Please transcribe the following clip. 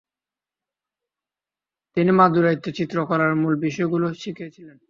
তিনি মাদুরাইতে চিত্রকলার মূল বিষয়গুলি শিখেছিলেন।